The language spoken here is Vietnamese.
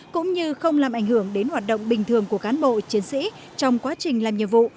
cũng như không làm ảnh hưởng đến hoạt động bình thường của cán bộ chiến sĩ trong quá trình làm nhiệm vụ